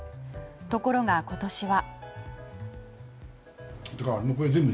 ところが、今年は。